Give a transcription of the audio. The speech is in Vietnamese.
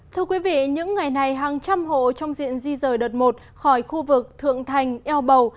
thưa quý vị những ngày này hàng trăm hộ trong diện di rời đợt một khỏi khu vực thượng thành eo bầu